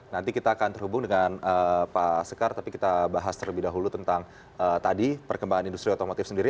nanti kita akan terhubung dengan pak sekar tapi kita bahas terlebih dahulu tentang tadi perkembangan industri otomotif sendiri